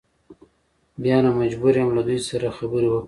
بیا نو مجبور یم له دوی سره خبرې وکړم.